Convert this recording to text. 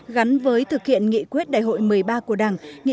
gắn với thực hiện nghị quyết đại hội một mươi ba của đảng